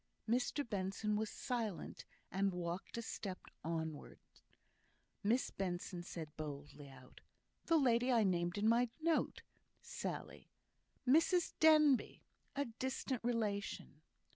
Mr Benson was silent, and walked a step onwards. Miss Benson said boldly out, "The lady I named in my note, Sally Mrs Denbigh, a distant relation."